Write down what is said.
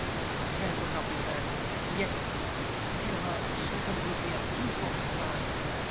My prayers would not be heard. And yet, to kill her unshriven will be a twofold crime.